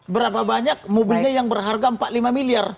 berapa banyak mobilnya yang berharga empat puluh lima miliar